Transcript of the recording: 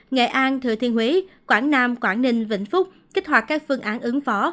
nghệ an thừa thiên huế quảng nam quảng ninh vĩnh phúc kích hoạt các phương án ứng phó